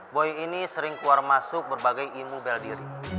boy ini sering keluar masuk berbagai imu bel diri